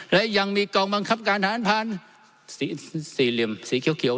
และยังมีกล่องบังคับการทางอันพันธ์สี่เหลี่ยมสีเขียวเนี่ย